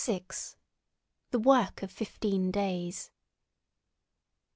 THE WORK OF FIFTEEN DAYS.